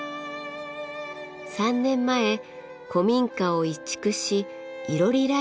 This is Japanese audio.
３年前古民家を移築しいろり